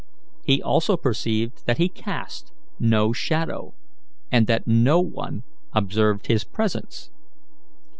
He also perceived that be cast no shadow, and that no one observed his presence.